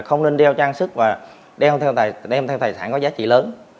không nên đeo trang sức và đeo theo đem theo tài sản có giá trị lớn